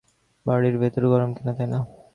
বাড়ীর ভেতর গরম কিনা, তাই।